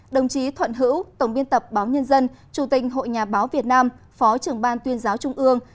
đồng chí thuận hữu tổng biên tập báo nhân dân chủ tình hội nhà báo việt nam phó trưởng ban tuyên giáo trung ương